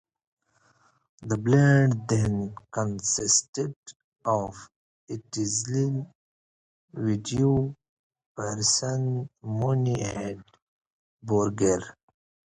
The band then consisted of Eitzel, Vudi, Pearson, Mooney, and Borger.